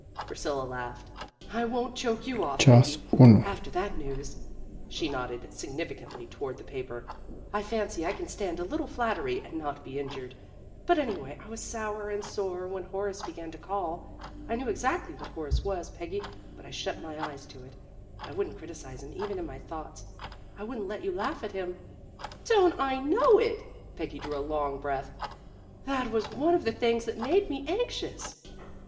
Priscilla laughed. "I won't choke you off, Peggy. After that news " she nodded sig nificantly toward the paper. "I fancy I can stand a little flattery and not be injured. But anyway I was sour and sore when Horace began to call. I knew exactly what Horace was, Peggy, but I shut my eyes to it. I wouldn't criticize him even in my thoughts. I wouldn't let you laugh at him ' "Don't I know it!" Peggy drew a long breath. '' That was one of the things that made me anxious."